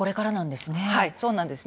そうなんです。